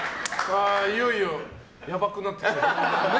いよいよ、やばくなってきたね。